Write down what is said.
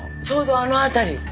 ちょうどあの辺り。